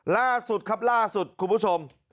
ล่าสุดครับล่าสุดคุณผู้ชม